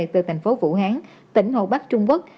từ tp vũ hán tỉnh hồ bắc trung quốc